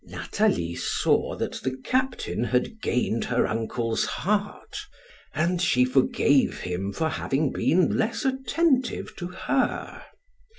Nathalie saw that the captain had gained her uncle's heart, and she forgave him for having been less attentive to her.